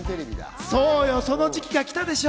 その時期が来たでしょ。